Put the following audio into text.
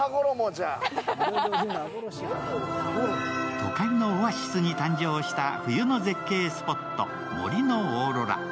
都会のオアシスに誕生した冬の絶景スポット、森のオーロラ。